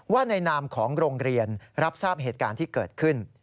ในนามของโรงเรียนรับทราบเหตุการณ์ที่เกิดขึ้น